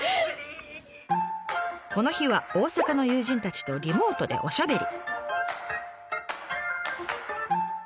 この日は大阪の友人たちとリモートでおしゃべり。